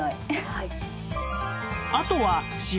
はい。